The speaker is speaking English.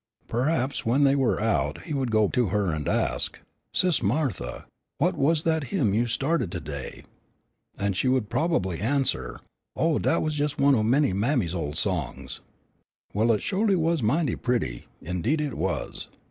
Perhaps when they were out he would go to her and ask, "Sis' Martha, what was that hymn you stahrted to day?" and she would probably answer, "Oh, dat was jes' one o' my mammy's ol' songs." "Well, it sholy was mighty pretty. Indeed it was."